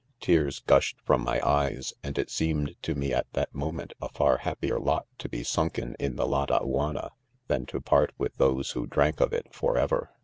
Tears. gushed from my eyes 7 and it seemed to me at that moment, a far happier lot to be sunken in the Ladaiianna, than to part, with those who drank of it, forever.